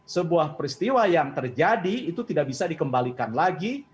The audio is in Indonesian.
sebuah peristiwa yang terjadi itu tidak bisa dikembalikan lagi